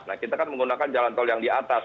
nah kita kan menggunakan jalan tol yang di atas